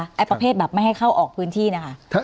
ต่อต้นปีไหมคะไอประเภทแบบไม่ให้เข้าออกพื้นที่นะคะ